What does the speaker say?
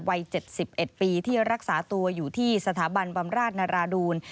วัย๗๑ปีที่รักษาตัวอยู่ที่สถาบันบำราชนราดูล